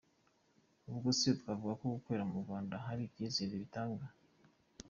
Ubwo se twavugako gukorera mu Rwanda hari icyizere bitanga ?